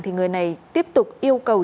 thì người này tiếp tục yêu cầu